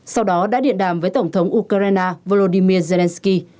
sau đó đã điện đàm với tổng thống ukraine volodymyr zelensky